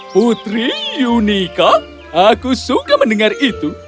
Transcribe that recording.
putri yunika aku suka mendengar itu